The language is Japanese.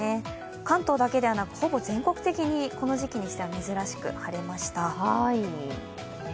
関東だけではなく、ほぼ全国的にこの時期にしては珍しく晴れました。